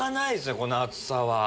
この厚さは。